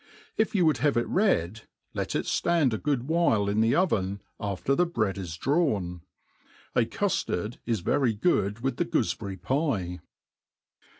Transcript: If you would have it red, let it ftand a good while in the oven, after the bread i$ drawn. A cuilard is very good with the goofeberry pie.